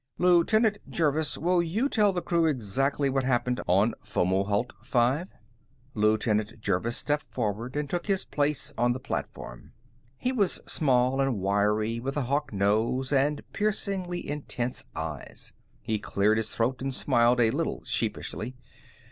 "Lieutenant Jervis, will you tell the crew exactly what happened on Fomalhaut V?" Lieutenant Jervis stepped forward and took his place on the platform. He was small and wiry, with a hawk nose and piercingly intense eyes. He cleared his throat and smiled a little sheepishly.